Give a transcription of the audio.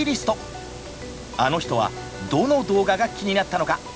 あの人はどの動画が気になったのか！？